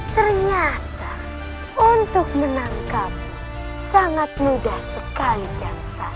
ternyata untuk menangkap sangat mudah sekali dan sah